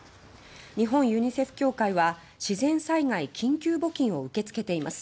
日本ユニセフ協会は自然災害緊急募金を受け付けています。